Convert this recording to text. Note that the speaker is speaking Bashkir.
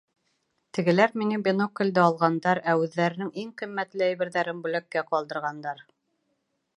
Тегеләр минең биноклде алғандар, ә үҙҙәренең иң ҡиммәтле әйберҙәрен бүләккә ҡалдырғандар.